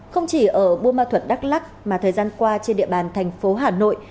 không chỉ ở buôn ma thuật đắk lắc mà thời gian qua trên địa bàn thành phố hà nội